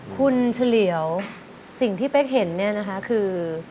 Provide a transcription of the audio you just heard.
คุณเฉลี่ยวสิ่งที่เป๊กเห็นเนี่ยนะคะคือ